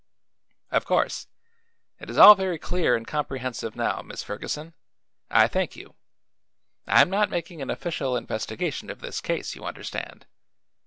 "Of course. It is all very clear and comprehensive now, Miss Ferguson. I thank you. I am not making an official investigation of this case, you understand.